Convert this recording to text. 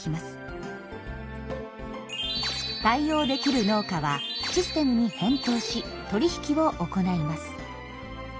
対応できる農家はシステムに返答し取り引きを行います。